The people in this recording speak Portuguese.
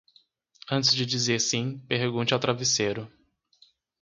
Antes de dizer sim, pergunte ao travesseiro.